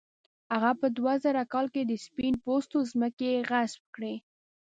هغه په دوه زره کال کې د سپین پوستو ځمکې غصب کړې.